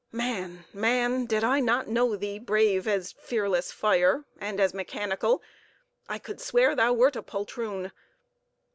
Man, man! did I not know thee brave as fearless fire (and as mechanical) I could swear thou wert a poltroon.